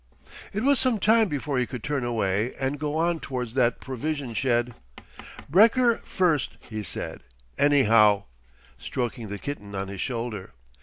It was some time before he could turn away and go on towards that provision shed. "Brekker first," he said, "anyhow," stroking the kitten on his shoulder.